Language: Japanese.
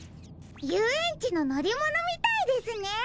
ゆうえんちののりものみたいですね！